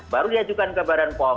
baru diajukan ke badan pom